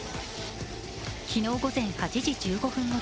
昨日午前８時１５分頃